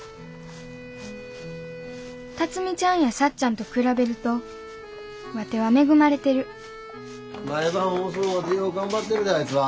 辰美ちゃんやさっちゃんと比べるとワテは恵まれてる毎晩遅うまでよう頑張ってるであいつは。